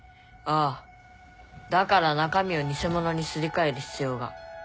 ああだから中身を偽物にすり替える必要が。